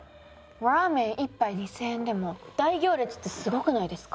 ＲＡＭＥＮ１杯２，０００円でも大行列ってすごくないですか？